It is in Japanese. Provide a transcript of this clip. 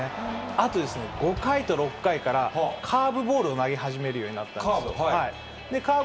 あと、５回と６回からカーブボールを投げ始めるようになったんでカーブ？